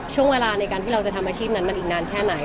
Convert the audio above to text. ช่วงเวลาในการที่เราจะทำอาชีพนั้นมันอีกนานแค่ไหน